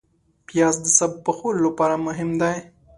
پیاز د سابه پخولو لپاره مهم دی